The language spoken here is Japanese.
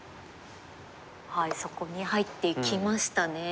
そこに入っていきましたね。